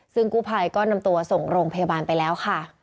ซึ่งกู้ภัยก็นำตัวส่งโรงพยาบาลไปแล้วค่ะ